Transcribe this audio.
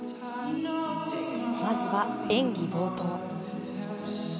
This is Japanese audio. まずは演技冒頭。